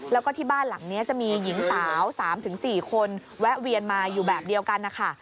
แล้วก็ที่บ้านหลังนี้จะมีหญิงสาว๓๔คนแวะเวียนมาอยู่แบบเดียวกันนะคะ